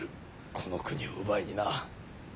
この国を奪いにな。